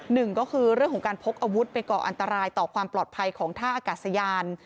หนึ่งก็คือเรื่องของการพกอาวุธไปก่ออันตรายต่อความปลอดภัยของท่าอากาศยาน